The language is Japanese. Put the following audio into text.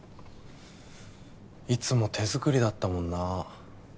いつも手作りだったもんな。